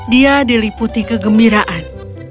dia diliputi kegembiraan